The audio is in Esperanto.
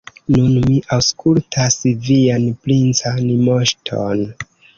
Nun mi aŭskultas vian princan moŝton.